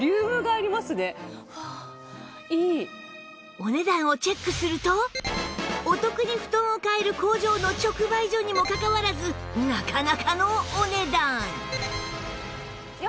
お値段をチェックするとお得に布団を買える工場の直売所にもかかわらずなかなかのお値段